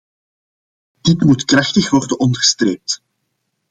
Dit moet krachtig worden onderstreept.